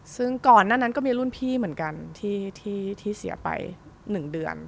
ซึ่งก่อนหน้านั้นก็มีรุ่นพี่เหมือนกันที่เสียไป๑เดือน